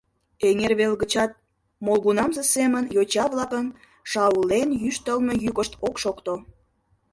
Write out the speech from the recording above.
Эҥер вел гычат молгунамсе семын йоча-влакын шаулен йӱштылмӧ йӱкышт ок шокто.